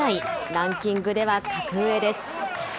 ランキングでは格上です。